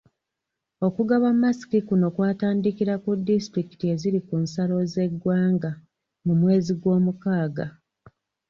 Okugaba masiki kuno kwatandikira ku disitulikiti eziri ku nsalo z’eggwanga mu mwezi gw’omukaaga.